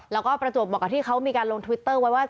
และประจวบบอกว่าเขาลงทวิตเตอร์ว่า